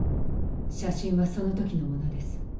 写真はその時のものです